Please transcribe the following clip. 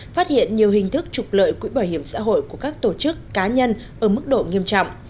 phát hiện nhiều hình thức trục lợi quỹ bảo hiểm xã hội của các tổ chức cá nhân ở mức độ nghiêm trọng